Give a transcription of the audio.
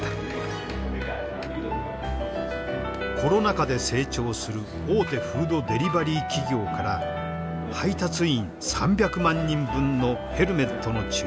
コロナ禍で成長する大手フードデリバリー企業から配達員３００万人分のヘルメットの注文が舞い込んだ。